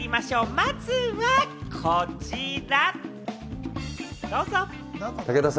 まずはこちら。